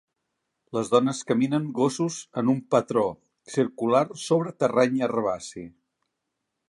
Les dones caminen gossos en un patró circular sobre terreny herbaci